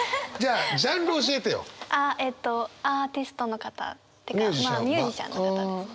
あえっとアーティストの方。というかまあミュージシャンの方です。